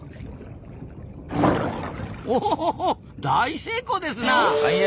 大成功ですなあ。